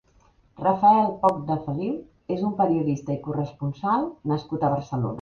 Rafael Poch-de-Feliu és un periodista i corresponsal nascut a Barcelona.